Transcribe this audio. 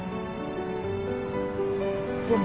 でも。